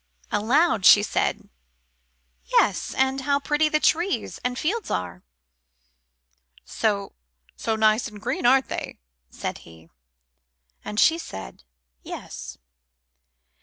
Aloud she said, "Yes, and how pretty the trees and fields are " "So so nice and green, aren't they?" said he. And she said, "Yes."